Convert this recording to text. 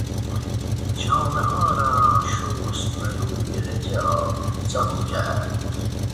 جامهها را شست و روی رجه آویزان کرد.